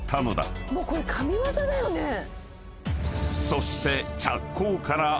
［そして］